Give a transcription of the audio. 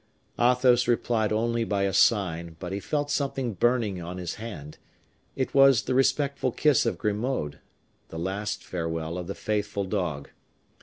Athos replied only by a sign, but he felt something burning on his hand: it was the respectful kiss of Grimaud the last farewell of the faithful dog.